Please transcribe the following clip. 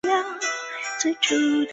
该寺组织机构由堪布组成。